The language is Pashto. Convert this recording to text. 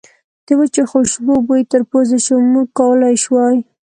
د وچو خوشبو بوی تر پوزې شو، موږ کولای شوای.